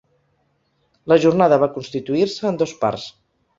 La jornada va constituir-se en dos parts.